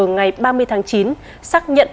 ngày ba mươi tháng chín xác nhận